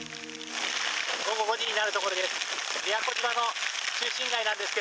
午後５時になるところです。